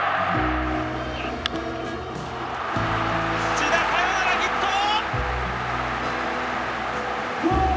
土田サヨナラヒット！